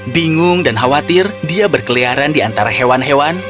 bingung dan khawatir dia berkeliaran di antara hewan hewan